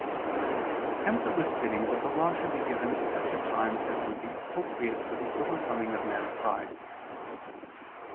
Hence it was fitting that the Law should be given at such a time as would be appropriate for the overcoming of man's pride.